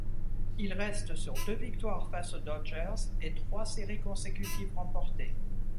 Ils restent sur deux victoires face aux Dodgers et trois Séries consécutives remportées.